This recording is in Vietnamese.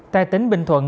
tại tỉnh bình thuận